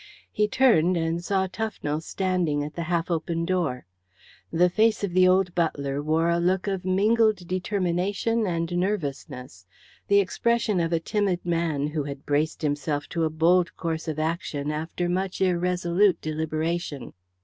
He turned and saw Tufnell standing at the half open door. The face of the old butler wore a look of mingled determination and nervousness the expression of a timid man who had braced himself to a bold course of action after much irresolute deliberation.